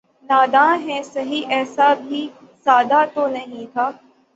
ناداں ہی سہی ایسا بھی سادہ تو نہیں تھا